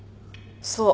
そう。